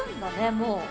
もう。